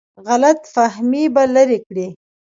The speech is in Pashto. غلط فهمۍ به لرې کړي.